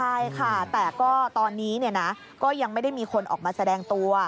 ใช่ค่ะแต่ก็ตอนนี้ก็ยังไม่ได้มีคนออกมาแสดงตัว